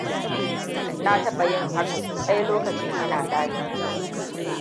Na taɓa yin haka sau ɗaya lokacin ina ɗalibi.